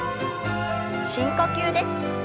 深呼吸です。